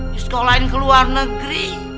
diskolahin keluar negeri